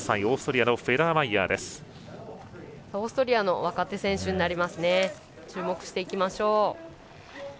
オーストリアの若手選手注目していきましょう。